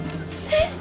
えっ！